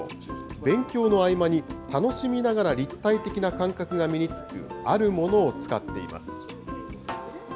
勉強の合間に楽しみながら、立体的な感覚が身につくあるものを使っています。